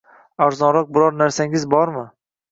Arzonroq biror narsangiz bormi?